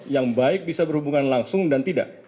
yang baik bisa berhubungan langsung dan tidak